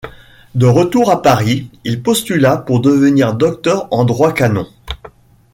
De retour à Paris, il postula pour devenir docteur en droit canon.